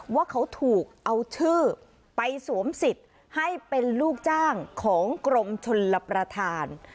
ว่าเขาถูกเอาชื่อไปสวมสิทธิ์ให้เป็นลูกจ้างของกรมชลประธาน